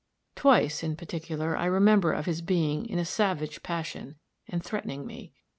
"Twice, in particular, I remember of his being in a savage passion, and threatening me.